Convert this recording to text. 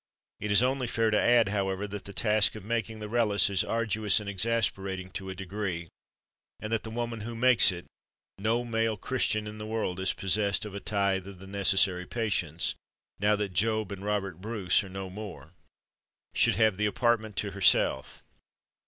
It is only fair to add, however, that the task of making the relish is arduous and exasperating to a degree; and that the woman who makes it no male Christian in the world is possessed of a tithe of the necessary patience, now that Job and Robert Bruce are no more should have the apartment to herself.